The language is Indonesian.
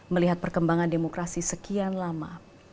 melihat perkembangan demokrasi sekian lama